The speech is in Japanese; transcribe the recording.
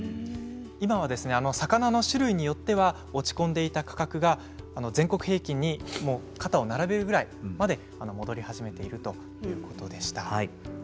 今は魚の種類によっては落ち込んでいた価格が全国平均に肩を並べるくらいまで戻り始めているということでした。